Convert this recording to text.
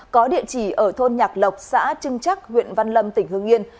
có địa chỉ ở thôn nhạc lộc xã trưng chắc huyện văn lâm tỉnh hương yên